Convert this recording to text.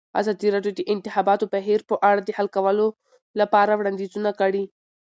ازادي راډیو د د انتخاباتو بهیر په اړه د حل کولو لپاره وړاندیزونه کړي.